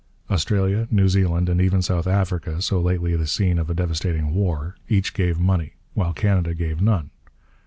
Australia, New Zealand and even South Africa, so lately the scene of a devastating war each gave money, while Canada gave none.